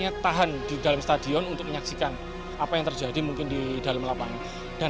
mereka tahan di dalam stadion untuk menyaksikan apa yang terjadi mungkin di dalam lapangan dan